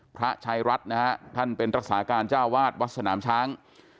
พระชายรัฐนะฮะท่านเป็นรักษาการเจ้าวาดวัดสนามช้าง